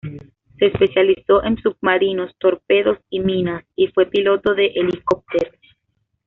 Se especializó en submarinos, torpedos y minas y fue piloto de helicópteros.